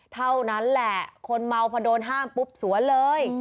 เท่านั้นแหละคนเมาพอโดนห้ามปุ๊บสวนเลย